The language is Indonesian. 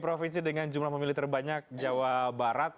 kedua pasangan jokowi maru merupakan selamat